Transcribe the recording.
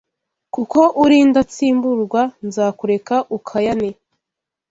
Kuko uri indatsimburwa Nzakureka ukayane